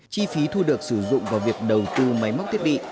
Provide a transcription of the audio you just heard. chi phí thu được sử dụng vào việc đầu tư máy móc thiết bị